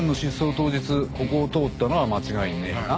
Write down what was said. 当日ここを通ったのは間違いねえな。